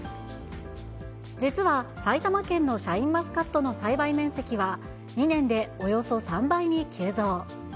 実は埼玉県のシャインマスカットの栽培面積は、２年でおよそ３倍に急増。